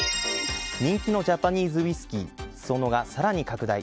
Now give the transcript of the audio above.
人気のジャパニーズウイスキー裾野が更に拡大。